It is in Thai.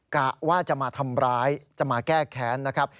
กะว่าจะมาทำร้ายจะมาแก้แค้นนะครับ